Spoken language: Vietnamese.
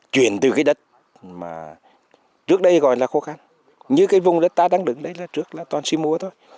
chuyển từ cái đất mà trước đây gọi là khô khăn như cái vùng đất ta đang đứng đây là trước là toàn si múa thôi